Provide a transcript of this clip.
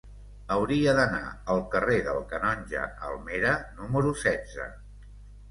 Hauria d'anar al carrer del Canonge Almera número setze.